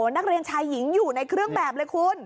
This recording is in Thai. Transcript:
นักเรียนชายหญิงอยู่ในเครื่องแบบเลยคุณ